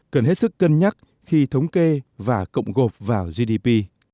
cần hết sức cân nhắc khi thống kê và cộng gộp vào gdp